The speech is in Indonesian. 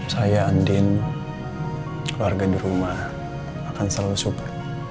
saya andin keluarga di rumah akan selalu support